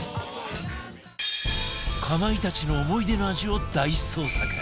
かまいたちの思い出の味を大捜索